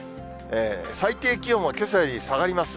最低気温もけさより下がります。